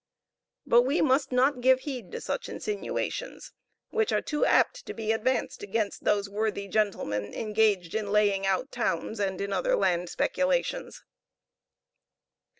But we must not give heed to such insinuations, which are too apt to be advanced against those worthy gentlemen engaged in laying out towns and in other land speculations.